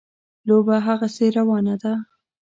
لوبه هغسې روانه ده.